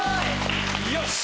よし！